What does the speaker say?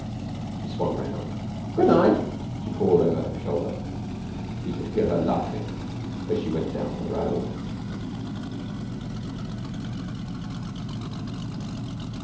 She swung round. 'Good night,' she called over her shoulder. He could hear her laughing as she went down the road.